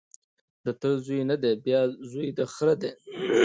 د تره زوی نه دی بیا زوی د خره دی